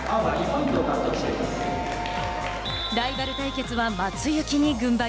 ライバル対決は松雪に軍配。